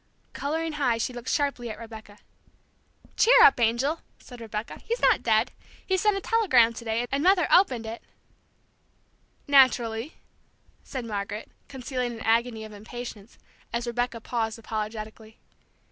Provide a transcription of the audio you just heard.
Coloring high, she looked sharply at Rebecca. "Cheer up, angel," said Rebecca, "he's not dead. He sent a telegram to day, and Mother opened it " "Naturally," said Margaret, concealing an agony of impatience, as Rebecca paused apologetically.